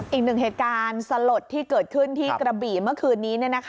อีกหนึ่งเหตุการณ์สลดที่เกิดขึ้นที่กระบี่เมื่อคืนนี้